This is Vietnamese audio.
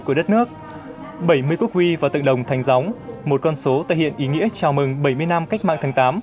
của đất nước bảy mươi quốc huy và tự đồng thành gióng một con số thể hiện ý nghĩa chào mừng bảy mươi năm cách mạng tháng tám